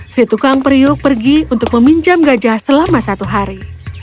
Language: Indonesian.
si tukang periuk pergi untuk meminjam gajah selama satu hari